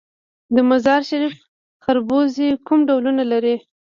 د مزار شریف خربوزې کوم ډولونه لري؟